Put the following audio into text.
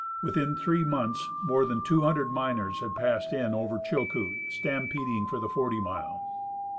Within three months more than two hundred miners had passed in over Chilcoot, stampeding for Forty Mile.